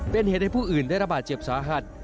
เป็นเหตุให้ผู้อื่นได้ระบาดเจ็บสาหัส